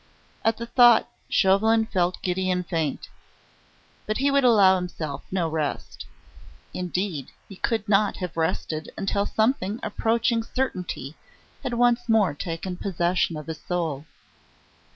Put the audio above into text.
At the thought Chauvelin felt giddy and faint. But he would allow himself no rest. Indeed, he could not have rested until something approaching certainty had once more taken possession of his soul.